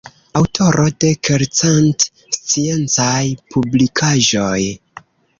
Aŭtoro de kelkcent sciencaj publikaĵoj.